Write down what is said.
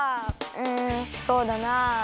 うんそうだな。